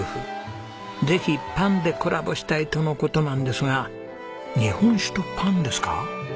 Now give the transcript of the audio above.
「ぜひパンでコラボしたい」との事なんですが日本酒とパンですか？